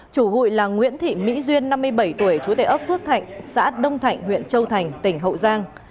chủ hội là nguyễn thị mỹ duyên năm mươi bảy tuổi trú tại ớp phước thạnh xã đông thạnh huyện châu thành tỉnh hậu giang